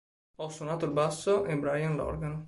Ho suonato il basso e Brian l'organo.